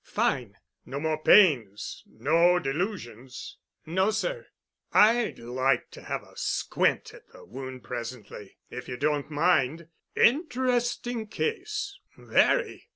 "Fine." "No more pains—no delusions?" "No sir." "I'd like to have a squint at the wound presently, if you don't mind. Interesting case. Very."